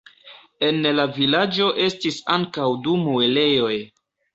En la vilaĝo estis ankaŭ du muelejoj.